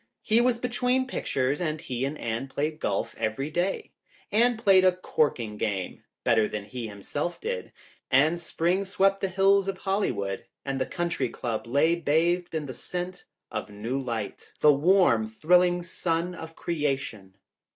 He was between pictures and he and Anne played golf every day. Anne played a corking game, better than he himself did. And spring swept the hills of Hollywood and the Country Club lay bathed in the scent of new life, the warm, thrilling sun of creation.